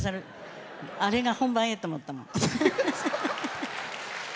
あれが、本番やと思ったの。